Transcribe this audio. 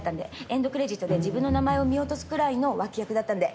エンドクレジットで自分の名前を見落とすくらいの脇役だったんで。